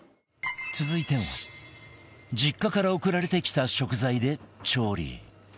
続いても実家から送られてきた食材で調理